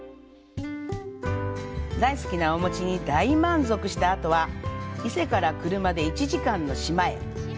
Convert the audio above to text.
大好きなお餅に大満足したあとは伊勢から車で１時間の志摩へ。